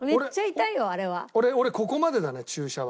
俺ここまでだね注射は。